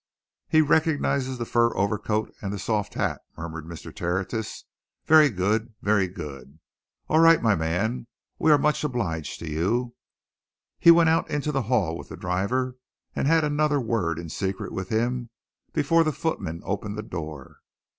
"He recognizes the furred overcoat and the soft hat," murmured Mr. Tertius. "Very good very good! All right, my man we are much obliged to you." He went out into the hall with the driver, and had another word in secret with him before the footman opened the door.